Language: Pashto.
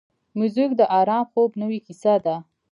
موزیک د آرام خوب نوې کیسه ده.